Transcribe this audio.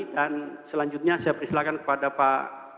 dan selanjutnya saya persilakan kepada pak